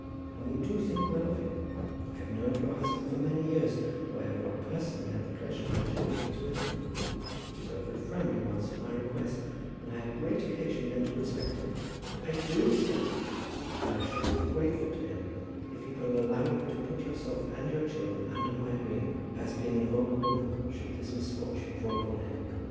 And we do think well of him. I have known of your husband for many years, though I have not personally had the pleasure of much acquaintance with him. He was over at Framley once at my request, and I had great occasion then to respect him. I do respect him; and I shall feel grateful to him if he will allow you to put yourself and your children under my wing, as being an old woman, should this misfortune fall upon him.